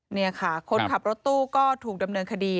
นี่ค่ะคนขับรถตู้ก็ถูกดำเนินคดี